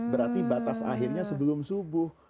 berarti batas akhirnya sebelum subuh